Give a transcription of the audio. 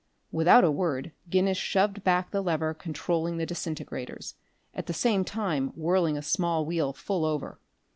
Without a word Guinness shoved back the lever controlling the disintegrators, at the same time whirling a small wheel full over.